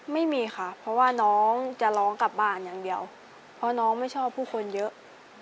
ไม่มีค่ะเพราะว่าน้องจะร้องกลับบ้านอย่างเดียวเพราะน้องไม่ชอบผู้คนเยอะ